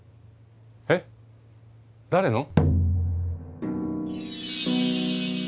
えっ誰の？